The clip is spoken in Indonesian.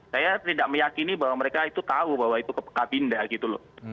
saya tidak meyakini bahwa mereka itu tahu bahwa itu kabinda gitu loh